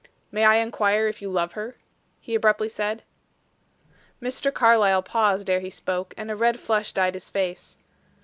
"May I inquire if you love her?" he abruptly said. Mr. Carlyle paused ere he spoke, and a red flush dyed his face.